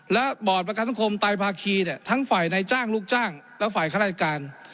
และบอร์ดประกันสังคมไตภาคีเนี่ยทั้งฝ่ายในจ้างลูกจ้างและฝ่ายข้าราชการ